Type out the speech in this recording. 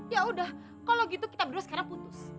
ya udah kalau gitu kita berdua sekarang putus